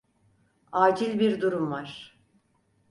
Acil bir durum var.